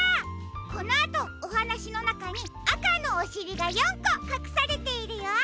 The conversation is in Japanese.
このあとおはなしのなかにあかのおしりが４こかくされているよ。